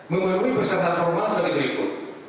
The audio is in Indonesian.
memenuhi persatuan formal seperti berikut